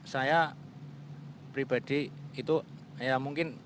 saya pribadi itu ya mungkin